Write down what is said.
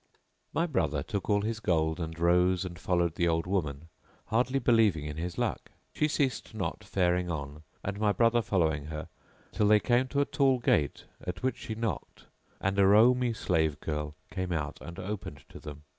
My brother took all his gold and rose and followed the old woman, hardly believing in his luck. She ceased not faring on, and my brother following her, till they came to a tall gate at which she knocked and a Roumi slave girl[FN#672] came out and opened to them.